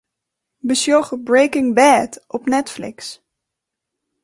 Besjoch 'Breaking Bad' op Netflix.